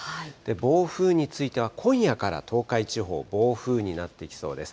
暴風については今夜から東海地方、暴風になっていきそうです。